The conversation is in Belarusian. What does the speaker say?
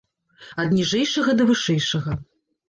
Ад ніжэйшага да вышэйшага.